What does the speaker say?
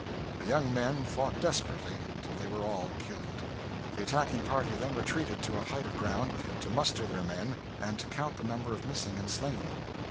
The young men fought desperately till they were all killed. The attacking party then retreated to a height of ground, to muster their men, and to count the number of missing and slain.